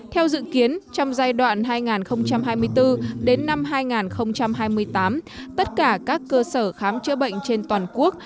theo dự kiến trong giai đoạn hai nghìn hai mươi bốn đến năm hai nghìn hai mươi tám tất cả các cơ sở khám chữa bệnh trên toàn quốc